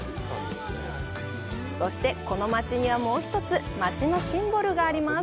そして、この街にはもう一つ街のシンボルがあります。